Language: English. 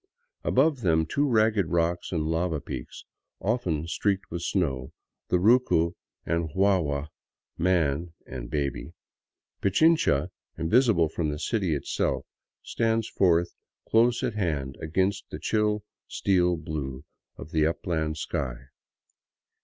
Above them two ragged rock and lava peaks, often streaked with snow, the Rucu and Guagua ("Man" and "Baby") Pichincha, invisible from the city itself, stand forth close at hand against the chill steel blue of the upland sky.